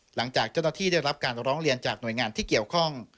หลังจากเจ้าหน้าที่ได้รับการร้องเรียนจากหน่วยงานที่เกี่ยวข้อง